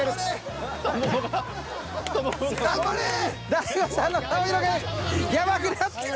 大悟さんの顔色がやばくなって。